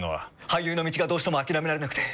俳優の道がどうしても諦められなくて。